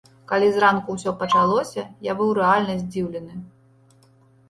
Калі зранку ўсё пачалося, я быў рэальна здзіўлены.